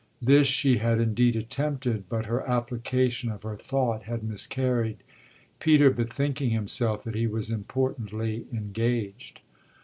This she had indeed attempted, but her application of her thought had miscarried, Peter bethinking himself that he was importantly engaged.